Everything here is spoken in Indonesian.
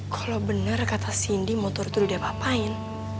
kalo bener kata sindi motor itu udah diapapain